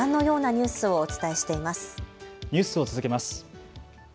ニュースを続けます。